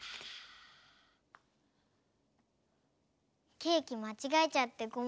ケーキまちがえちゃってごめんね。